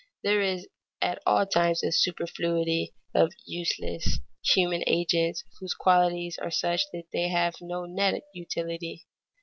There is at all times a superfluity of "useless" human agents whose qualities are such that they have no net utility.